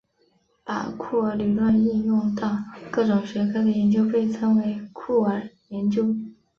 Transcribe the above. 把酷儿理论应用到各种学科的研究被称为酷儿研究。